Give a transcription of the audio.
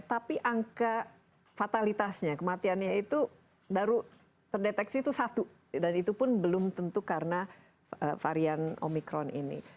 tapi angka fatalitasnya kematiannya itu baru terdeteksi itu satu dan itu pun belum tentu karena varian omikron ini